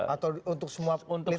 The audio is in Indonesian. atau untuk semua lintas praksi